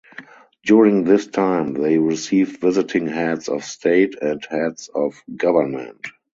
During this time they received visiting heads of state and heads of government.